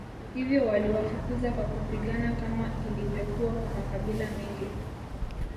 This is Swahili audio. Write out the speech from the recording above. Hivyo waliwafukuza kwa kupigana kama ilivyokuwa kwa makabila mengi